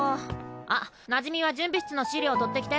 あっなじみは準備室の資料取ってきて。